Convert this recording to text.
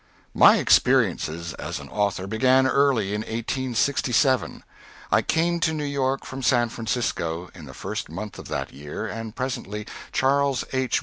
My experiences as an author began early in 1867. I came to New York from San Francisco in the first month of that year and presently Charles H.